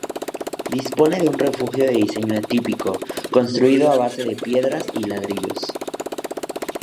Dispone de un refugio de diseño atípico construido a base de piedras y ladrillos.